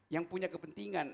yang punya kepentingan